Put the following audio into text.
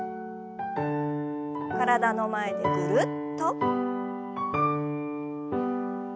体の前でぐるっと。